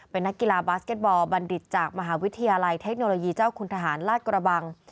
เป็นนักกีฬาบาสเก็ตบอลบัณฑิตจากมหาวิทยาลัยเทคโนโลยีเจ้าคุณทหารลาดกระบัง